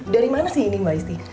dari mana sih ini mbak isti